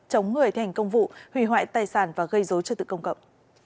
chống người thi hành công vụ hủy hoại tài sản và gây dối trật tự công cộng